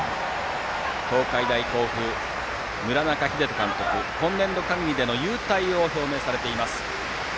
東海大甲府、村中秀人監督は今年度限りでの勇退を表明されています。